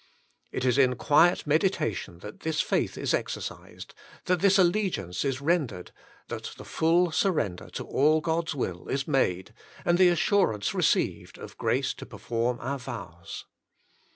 It is in quiet meditation that this faith is exercised, that this allegiance is rendered, that the full surrender to all God^s will is made, and the assurance received of grace to perform our vows.